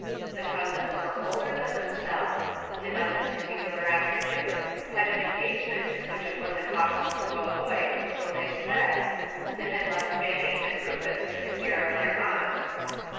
The cousins were older than themselves, and on this particular afternoon had an engagement which it was impossible to avoid, so they said, and had left Fanny and Rufus to the care of their aunt.